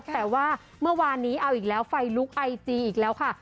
แต่ว่าเมื่อวานนี้เอาอีกแล้วไฟลุกไอจีอีกแล้วค่ะ